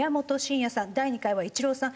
第２回はイチローさん